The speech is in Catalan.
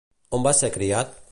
On va ser criat?